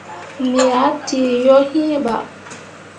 Me ah tǝǝ yo iŋ bah.